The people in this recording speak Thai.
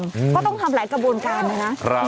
ก็ต้องทำหลายกระบวนการนะครับ